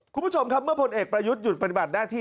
คุณผู้ชมครับเมื่อพลเอกประยุทธ์หยุดปฏิบัติหน้าที่